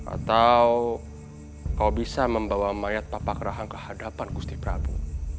atau kau bisa membawa mayat papak rahang ke hadapan gusti prabu